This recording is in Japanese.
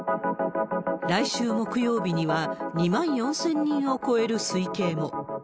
来週木曜日には、２万４０００人を超える推計も。